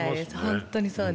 本当にそうです。